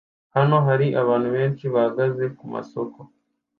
Hano hari abantu benshi bahagaze kumasoko